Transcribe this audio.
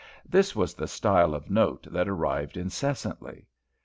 This was the style of note that arrived incessantly.